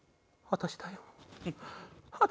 私だよ。